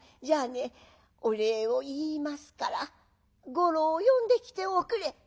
じゃあねお礼を言いますから五郎を呼んできておくれ」。